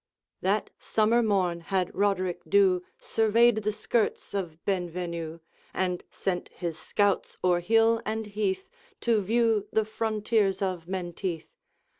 That summer morn had Roderick Dhu Surveyed the skirts of Benvenue, And sent his scouts o'er hill and heath, To view the frontiers of Menteith.